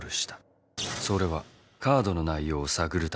それはカードの内容を探るため。